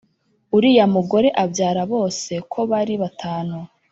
uriya mugore abyara bose ko bari batanu